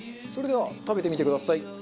それでは食べてみてください。